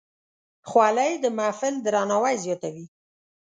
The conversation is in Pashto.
خولۍ د محفل درناوی زیاتوي.